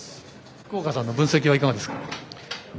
福岡さんの分析はいかがですか。